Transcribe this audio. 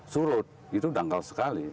surut itu dangkal sekali